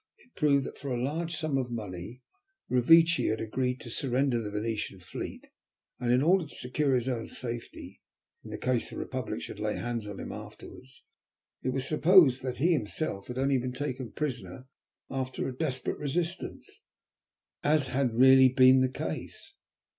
It proved that for a large sum of money Revecce had agreed to surrender the Venetian fleet, and, in order to secure his own safety, in case the Republic should lay hands on him afterwards, it was to be supposed that he himself had only been taken prisoner after a desperate resistance, as had really been the case.